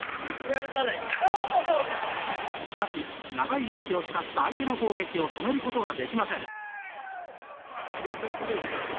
しかし長いリーチを使った相手の攻撃を止めることができません。